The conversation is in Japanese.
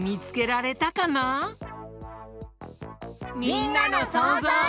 みんなのそうぞう。